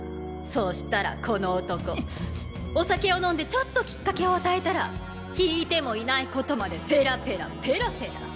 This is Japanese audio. そしたらこの男お酒を飲んでちょっとキッカケを与えたら聞いてもいない事までペラペラペラペラ。